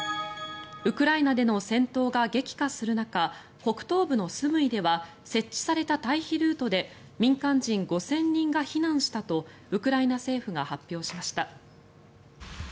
ウクライナでの戦闘が激化する中北東部のスムイでは設置された退避ルートで民間人５０００人が避難したとウクライナ政府が発表しました。